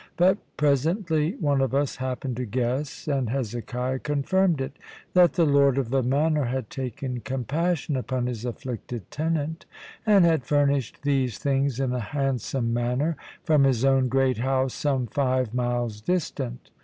But presently one of us happened to guess, and Hezekiah confirmed it, that the lord of the manor had taken compassion upon his afflicted tenant, and had furnished these things in a handsome manner, from his own great house some five miles distant.